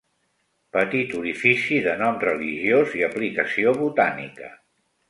Petit orifici de nom religiós i aplicació botànica.